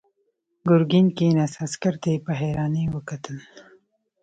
ګرګين کېناست، عسکر ته يې په حيرانۍ وکتل.